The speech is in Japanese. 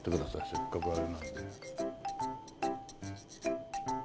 せっかくあれなんで。